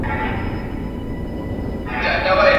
میرویس نیکه د پښتنو د تاریخ یو ځلانده ستوری دی.